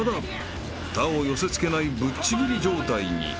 ［他を寄せつけないぶっちぎり状態に］